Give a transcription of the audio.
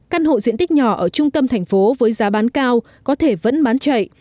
căn hộ diện tích nhỏ ở trung tâm thành phố với giá bán cao có thể vẫn bán chạy